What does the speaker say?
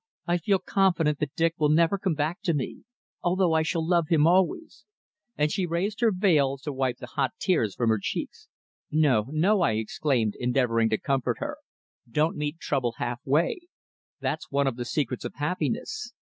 I feel confident that Dick will never come back to me, although although I shall love him always," and she raised her veil to wipe the hot tears from her cheeks. "No, no," I exclaimed, endeavouring to comfort her, "don't meet trouble half way. That's one of the secrets of happiness.